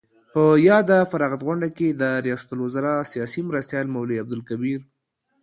په یاده فراغت غونډه کې د ریاست الوزراء سیاسي مرستیال مولوي عبدالکبیر